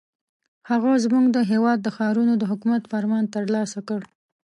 هغه زموږ د هېواد د ښارونو د حکومت فرمان ترلاسه کړ.